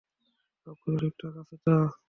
সবকিছু ঠিকঠাক আছে তো?